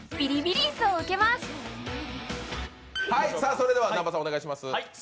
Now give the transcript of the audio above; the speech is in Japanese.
それでは南波さんお願いします。